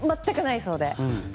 全くないそうで。